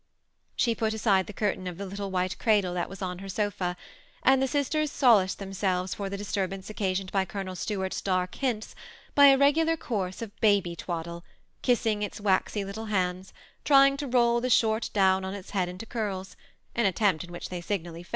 " She put aside the curtain of the little white cradle that was on her sofa, and the sisters solaced themselves for the disturbance occasioned by Colonel Stuart's dark hints by a regular course of baby twaddle, kissing its waxy little hands, trying to roll the short down on its head into curls, — an attempt in which they signally / 288 THE SEMI ATrtACHBD COTTPW.